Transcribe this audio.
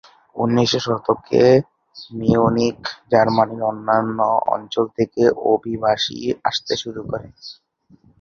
উনিশ শতকে, মিউনিখে জার্মানির অন্যান্য অঞ্চল থেকে অভিবাসী আসতে শুরু করে।